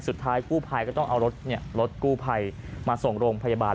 สุดท้ายกู้ภัยก็ต้องเอารถกู้ภัยมาส่งโรงพยาบาล